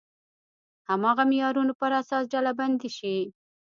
هماغه معیارونو پر اساس ډلبندي شي.